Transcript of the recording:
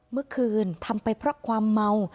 เมื่อคืนทำไปเพราะความเมา